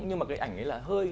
nhưng mà cái ảnh ấy là hơi